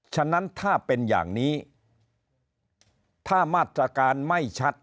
ฉะนั้นถ้าเป็นอย่างนี้ถ้ามาตรการไม่ชัด